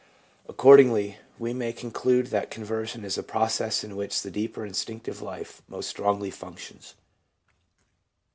Accordingly, we may conclude that conversion is a process in which the deeper instinctive life most strongly functions.